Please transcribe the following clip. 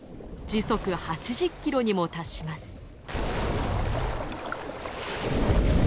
時速８０キロにも達します。